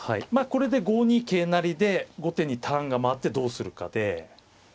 これで５二桂成で後手にターンが回ってどうするかで。